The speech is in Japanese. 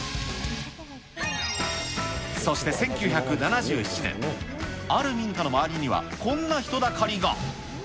そして１９７７年、ある民家の周りにはこんな人だかりが。